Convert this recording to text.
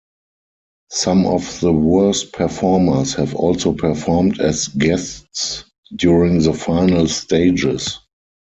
Some of the worst performers have also performed as guests during the final stages.